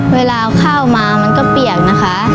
เวลาข้าวมามันก็เปียกนะคะ